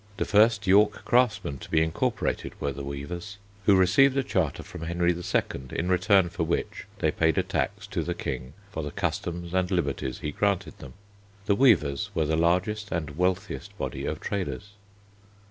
The first York craftsmen to be incorporated were the weavers, who received a charter from Henry II., in return for which they paid a tax to the King for the customs and liberties he granted them. The weavers were the largest and wealthiest body of traders.